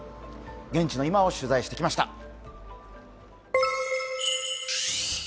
現地の今を取材してきました。